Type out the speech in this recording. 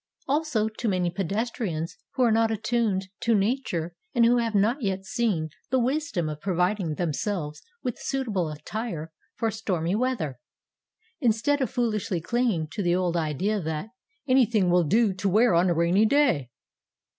also to many pedestrians who are not attuned to Nature and who have not yet seen the wisdom of providing themselves with suitable attire for stormy weather, instead of foolishly clinging to the old idea that "anything will do to wear on a rainy day."